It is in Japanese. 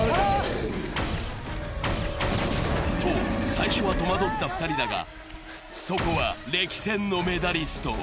最初は戸惑った２人だが、そこは歴戦のメダリスト。